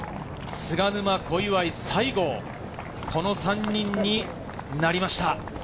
菅沼、小祝、西郷、この３人になりました。